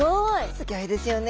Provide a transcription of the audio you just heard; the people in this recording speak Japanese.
すギョいですよね。